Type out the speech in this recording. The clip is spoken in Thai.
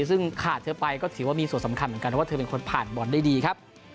ซึ่งขาดเธอไปก็ถือว่ามีส่วนสำคัญเหมือนกันเพราะว่าเธอเป็นคนผ่านบอลได้ดีครับ